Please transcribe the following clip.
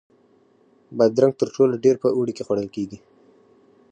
بادرنګ تر ټولو ډېر په اوړي کې خوړل کېږي.